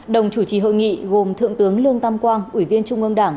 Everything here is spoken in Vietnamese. đồng chủ trì hội nghị gồm thượng tướng lương tam quang ủy viên trung ương đảng